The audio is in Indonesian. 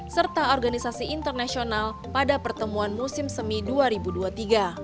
serta organisasi internasional pada pertemuan musim semidunia